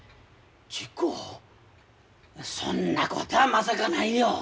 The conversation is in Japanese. そんなことはまさかないよ。